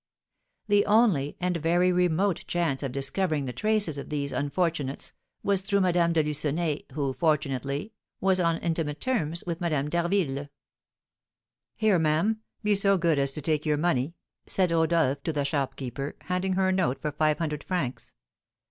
The only, and very remote chance of discovering the traces of these unfortunates was through Madame de Lucenay, who, fortunately, was on intimate terms with Madame d'Harville. "Here, ma'am, be so good as to take your money," said Rodolph to the shopkeeper, handing her a note for five hundred francs.